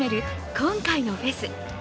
今回のフェス。